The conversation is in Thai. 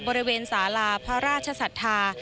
บริเวณสาลาพระราชศรัทธา